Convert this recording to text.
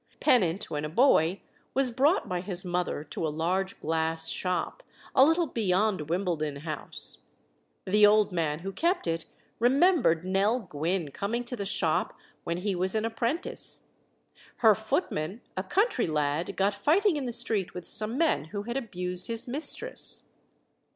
Pennant, when a boy, was brought by his mother to a large glass shop, a little beyond Wimbledon House; the old man who kept it remembered Nell Gwynne coming to the shop when he was an apprentice; her footman, a country lad, got fighting in the street with some men who had abused his mistress.